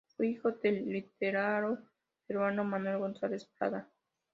Fue hijo del literato peruano Manuel González Prada.